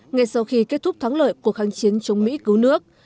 ngay sau khi kết thúc thắng lợi cuộc kháng chiến chống mỹ cứu nước